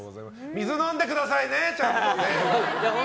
水飲んでくださいねちゃんとね。